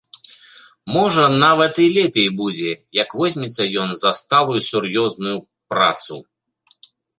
Можа, нават і лепей будзе, як возьмецца ён за сталую сур'ёзную працу.